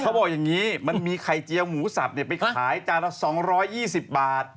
เขาบอกอย่างนี้มันมีไข่เจียวหมูสับไปขายจานละ๒๒๐บาท